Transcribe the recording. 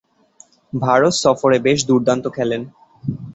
ভারত সফরে বেশ দূর্দান্ত খেলেন।